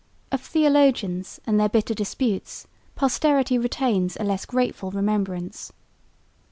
Of theologians and their bitter disputes posterity retains a less grateful remembrance.